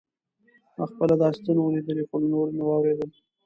ما خپله داسې څه ونه لیدل خو له نورو مې واورېدل.